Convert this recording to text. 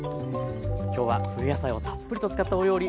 今日は冬野菜をたっぷりと使ったお料理